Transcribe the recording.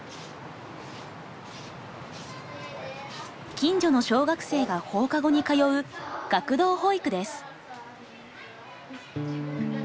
近所の小学生が放課後に通う学童保育です。